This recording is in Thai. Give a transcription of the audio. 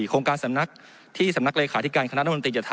โครงการสำนักที่สำนักเลขาธิการคณะรัฐมนตรีจะทำ